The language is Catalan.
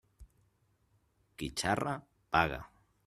Qui xarra, paga.